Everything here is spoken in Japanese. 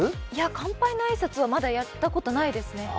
乾杯の挨拶はまだやったことないですね。